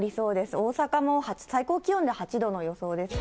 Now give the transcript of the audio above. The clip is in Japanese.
大阪も最高気温で８度の予想ですね。